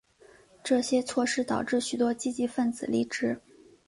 这些措施导致许多积极份子离职。